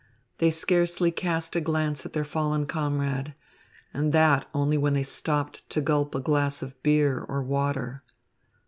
They scarcely cast a glance at their fallen comrade, and that only when they stopped to gulp a glass of beer or water.